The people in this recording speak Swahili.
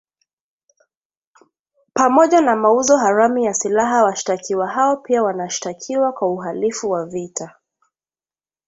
Pamoja na mauzo haramu ya silaha washtakiwa hao pia wanashtakiwa kwa uhalivu wa vita